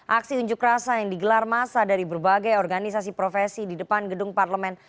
aksi unjuk rasa yang digelar masa dari berbagai organisasi profesi di depan gedung parlemen